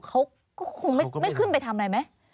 เขาก็คงไม่ขึ้นไปทำอะไรไหม